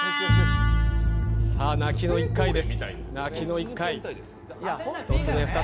泣きの１回です。